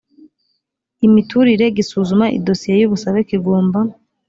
imiturire gisuzuma i dosiye y ubusabe kigomba